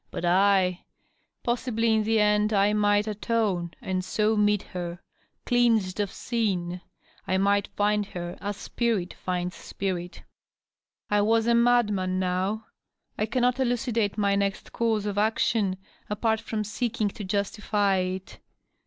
But I Possibly in the end I might atone, and so meet her. Cleansed of sin, I might find her, &s spirit finds spirit. I was a madman, now. I cannot elucidate my next course of action, apart from seeking to justify it.